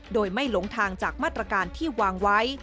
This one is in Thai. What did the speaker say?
โดยไม่หลงทางจากมาตรการที่วางไว้